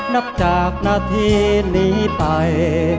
นับจากนาทีนี้ไป